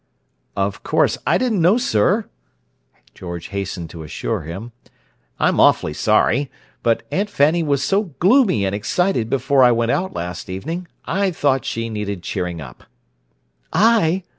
"Of course, I didn't know, sir," George hastened to assure him. "I'm awfully sorry. But Aunt Fanny was so gloomy and excited before I went out, last evening, I thought she needed cheering up." "I!"